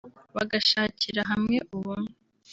bagashakira hamwe ubumwe